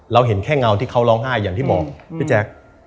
เห็นแค่เงาที่เขาร้องไห้อย่างที่บอกพี่แจ๊ค